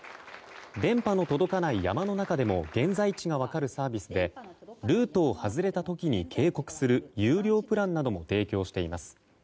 電波の届かない山の中でも現在地が分かるサービスでルートを外れた時に警告する有料プランなども提供しています。